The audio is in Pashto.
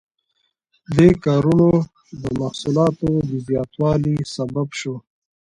دې کارونو د محصولاتو د زیاتوالي سبب شو.